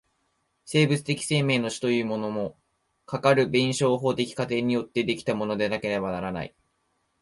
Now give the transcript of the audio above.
生物的生命の種というものも、かかる弁証法的過程によって出来たものでなければならない。